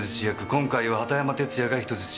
今回は畑山哲弥が人質役。